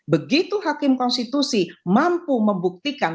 begitu hakim konstitusi mampu membuktikan